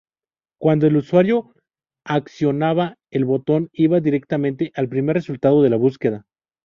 Cuando el usuario accionaba el botón, iba directamente al primer resultado de la búsqueda.